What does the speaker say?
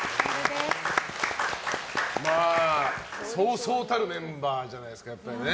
そうそうたるメンバーじゃないですか。